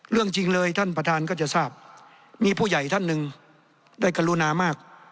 จริงเลยท่านประธานก็จะทราบมีผู้ใหญ่ท่านหนึ่งได้กรุณามาก